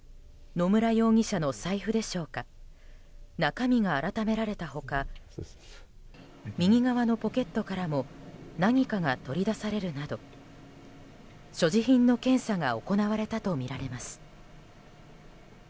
野村容疑者の財布でしょうか中身があらためられた他右側のポケットからも何かが取り出されるなど所持品の検査が行われたとみられます。